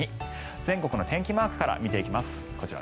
全国の天気マークから見ていきます。